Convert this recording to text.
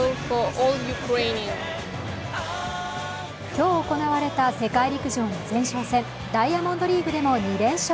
今日行われた世界陸上の前哨戦ダイヤモンドリーグでも２連勝。